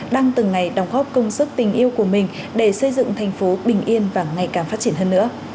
đang từng ngày đóng góp công sức tình yêu của mình để xây dựng thành phố bình yên và ngày càng phát triển hơn nữa